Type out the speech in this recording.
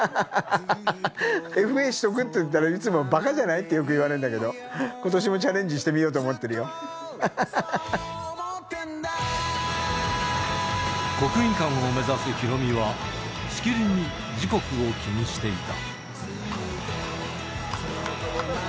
ＦＡしとく？って言ったら、いつも、ばかじゃないってよく言われんだけど、ことしもチャレンジしてみ国技館を目指すヒロミは、しきりに時刻を気にしていた。